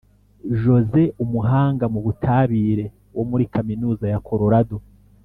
Jose umuhanga mu butabire wo muri kaminuza ya Colorado